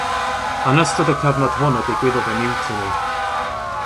Yn ystod y cyfnod hwn y digwyddodd y miwtini.